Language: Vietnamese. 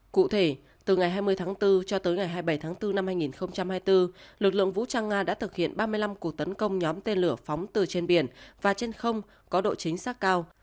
cụ thể từ ngày hai mươi tháng bốn cho tới ngày hai mươi bảy tháng bốn năm hai nghìn hai mươi bốn lực lượng vũ trang nga đã thực hiện ba mươi năm cuộc tấn công nhóm tên lửa phóng từ trên biển và trên không có độ chính xác cao